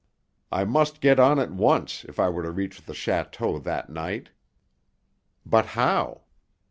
I must get on at once if I were to reach the château that night. But how?